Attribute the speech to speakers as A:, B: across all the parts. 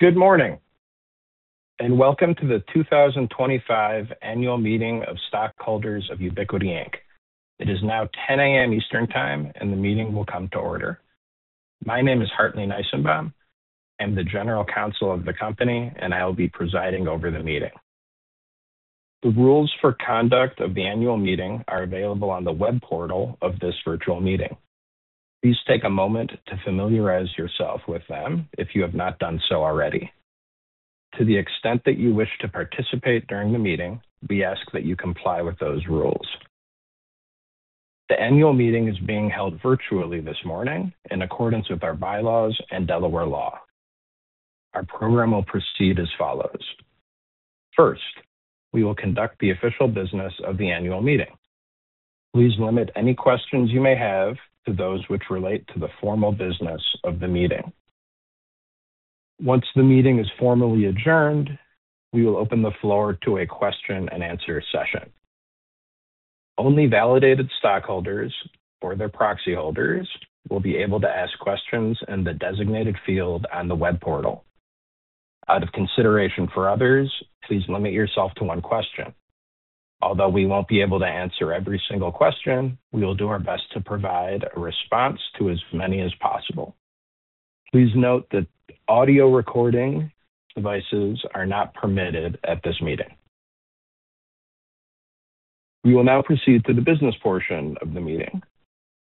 A: Good morning, and welcome to the 2025 Annual Meeting of Stockholders of Ubiquiti Inc. It is now 10:00 A.M. Eastern Time, and the meeting will come to order. My name is Hartley Nissenbaum. I'm the General Counsel of the company, and I will be presiding over the meeting. The rules for conduct of the annual meeting are available on the web portal of this virtual meeting. Please take a moment to familiarize yourself with them if you have not done so already. To the extent that you wish to participate during the meeting, we ask that you comply with those rules. The annual meeting is being held virtually this morning in accordance with our bylaws and Delaware law. Our program will proceed as follows. First, we will conduct the official business of the annual meeting. Please limit any questions you may have to those which relate to the formal business of the meeting. Once the meeting is formally adjourned, we will open the floor to a question-and-answer session. Only validated stockholders or their proxy holders will be able to ask questions in the designated field on the web portal. Out of consideration for others, please limit yourself to one question. Although we won't be able to answer every single question, we will do our best to provide a response to as many as possible. Please note that audio recording devices are not permitted at this meeting. We will now proceed to the business portion of the meeting.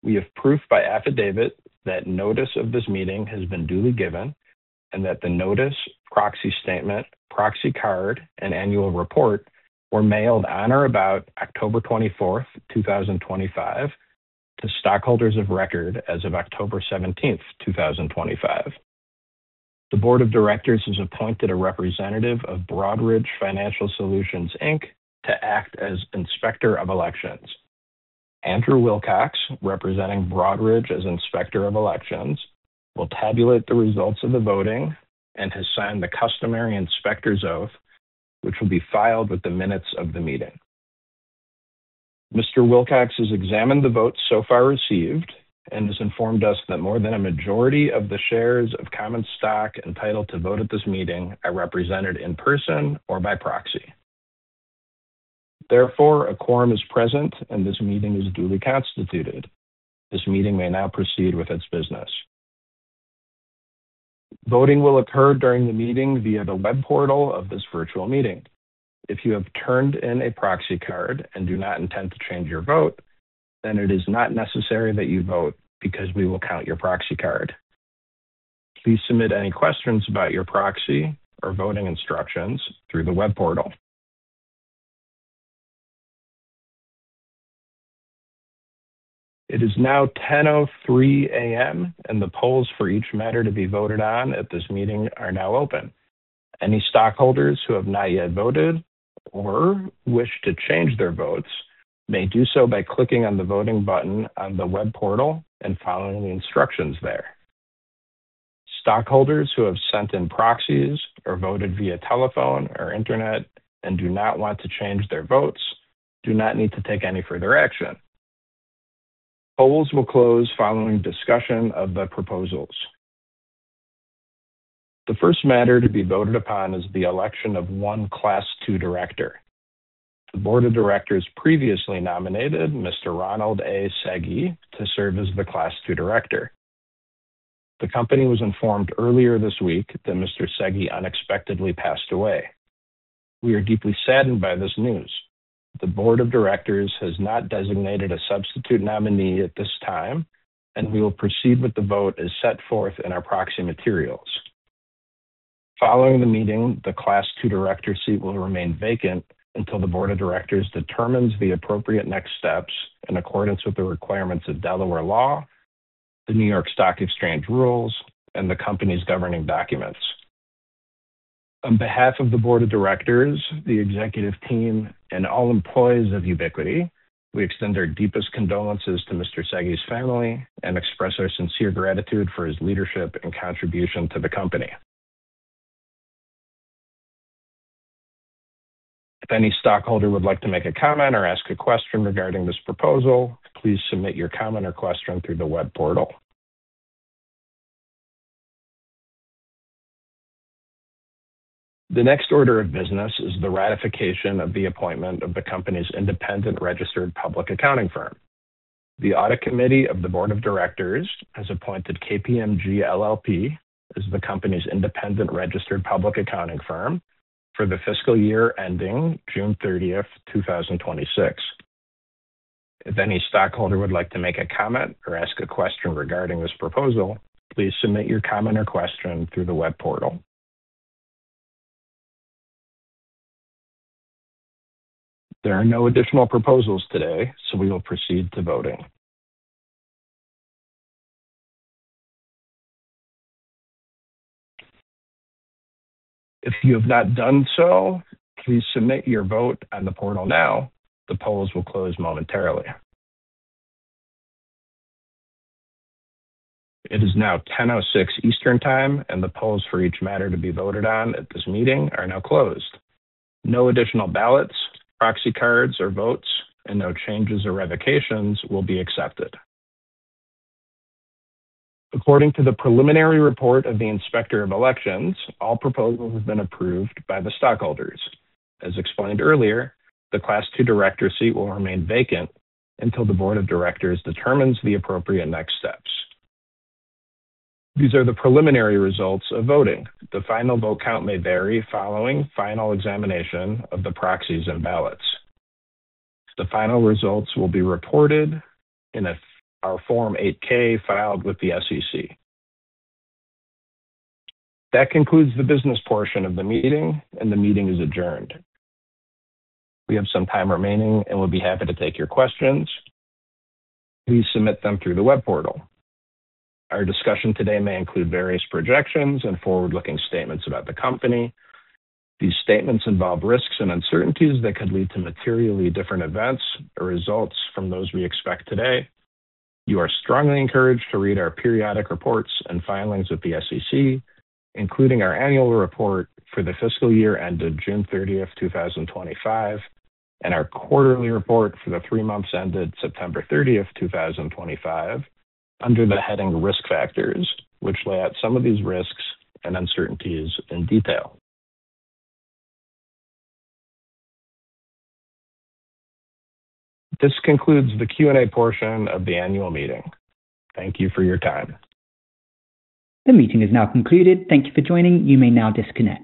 A: We have proof by affidavit that notice of this meeting has been duly given and that the notice, proxy statement, proxy card, and annual report were mailed on or about October 24, 2025, to stockholders of record as of October 17, 2025. The Board of Directors has appointed a representative of Broadridge Financial Solutions Inc. to act as Inspector of Elections. Andrew Wilcox, representing Broadridge as Inspector of Elections, will tabulate the results of the voting and has signed the customary inspector's oath, which will be filed with the minutes of the meeting. Mr. Wilcox has examined the votes so far received and has informed us that more than a majority of the shares of common stock entitled to vote at this meeting are represented in person or by proxy. Therefore, a quorum is present, and this meeting is duly constituted. This meeting may now proceed with its business. Voting will occur during the meeting via the web portal of this virtual meeting. If you have turned in a proxy card and do not intend to change your vote, then it is not necessary that you vote because we will count your proxy card. Please submit any questions about your proxy or voting instructions through the web portal. It is now 10:03 A.M., and the polls for each matter to be voted on at this meeting are now open. Any stockholders who have not yet voted or wish to change their votes may do so by clicking on the voting button on the web portal and following the instructions there. Stockholders who have sent in proxies or voted via telephone or internet and do not want to change their votes do not need to take any further action. Polls will close following discussion of the proposals. The first matter to be voted upon is the election of one Class 2 Director. The Board of Directors previously nominated Mr. Ronald A. Sege to serve as the Class 2 Director. The company was informed earlier this week that Mr. Sege unexpectedly passed away. We are deeply saddened by this news. The Board of Directors has not designated a substitute nominee at this time, and we will proceed with the vote as set forth in our proxy materials. Following the meeting, the Class 2 Director seat will remain vacant until the Board of Directors determines the appropriate next steps in accordance with the requirements of Delaware law, the New York Stock Exchange rules, and the company's governing documents. On behalf of the Board of Directors, the executive team, and all employees of Ubiquiti, we extend our deepest condolences to Mr. Sege's family and express our sincere gratitude for his leadership and contribution to the company. If any stockholder would like to make a comment or ask a question regarding this proposal, please submit your comment or question through the web portal. The next order of business is the ratification of the appointment of the company's independent registered public accounting firm. The Audit Committee of the Board of Directors has appointed KPMG LLP as the company's independent registered public accounting firm for the fiscal year ending June 30, 2026. If any stockholder would like to make a comment or ask a question regarding this proposal, please submit your comment or question through the web portal. There are no additional proposals today, so we will proceed to voting. If you have not done so, please submit your vote on the portal now. The polls will close momentarily. It is now 10:06 A.M. Eastern Time, and the polls for each matter to be voted on at this meeting are now closed. No additional ballots, proxy cards, or votes, and no changes or revocations will be accepted. According to the preliminary report of the Inspector of Elections, all proposals have been approved by the stockholders. As explained earlier, the Class 2 Director seat will remain vacant until the Board of Directors determines the appropriate next steps. These are the preliminary results of voting. The final vote count may vary following final examination of the proxies and ballots. The final results will be reported in our Form 8-K filed with the SEC. That concludes the business portion of the meeting, and the meeting is adjourned. We have some time remaining, and we'll be happy to take your questions. Please submit them through the web portal. Our discussion today may include various projections and forward-looking statements about the company. These statements involve risks and uncertainties that could lead to materially different events or results from those we expect today. You are strongly encouraged to read our periodic reports and filings with the SEC, including our annual report for the fiscal year ended June 30, 2025, and our quarterly report for the three months ended September 30, 2025, under the heading Risk Factors, which lay out some of these risks and uncertainties in detail. This concludes the Q&A portion of the annual meeting. Thank you for your time. The meeting is now concluded. Thank you for joining. You may now disconnect.